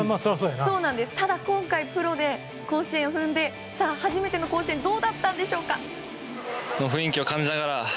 ただ今回、プロで甲子園を踏んで初めての甲子園どうだったんでしょうか。